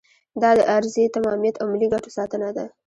دا د ارضي تمامیت او ملي ګټو ساتنه ده.